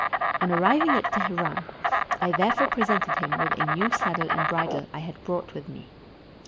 On arriving at Teheran, I therefore pre sented him with a new saddle and bridle I had brought with me.